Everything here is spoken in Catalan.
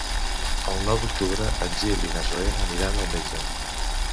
El nou d'octubre en Gil i na Zoè aniran al metge.